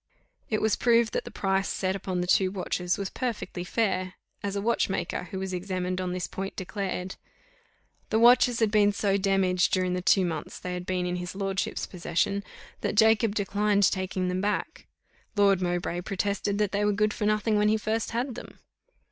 It was proved that the price set upon the two watches was perfectly fair, as a watchmaker, who was examined on this point, declared. The watches had been so damaged during the two months they had been in his lordship's possession, that Jacob declined taking them back. Lord Mowbray protested that they were good for nothing when he first had them.